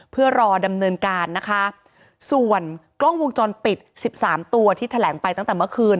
เพื่อรอดำเนินการนะคะส่วนกล้องวงจรปิดสิบสามตัวที่แถลงไปตั้งแต่เมื่อคืน